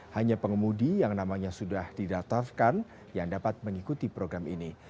hanya pengemudi yang namanya sudah didatafkan yang dapat mengikuti program ini